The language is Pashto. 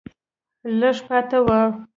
لږه پاتې وه